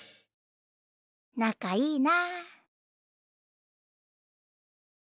なかいいな。